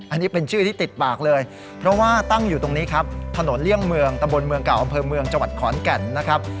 อันนี้เป็นชื่อที่ติดปากเลยเพราะว่าตั้งอยู่ตรงนี้ครับถนนเลี่ยงเมืองตะบนเมืองเก่าอำเภอเมืองจังหวัดขอนแก่นนะครับ